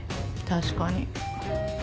確かに。